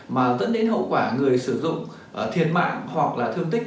mà dẫn đến hậu quả người sử dụng thiệt mạng hoặc là thương tích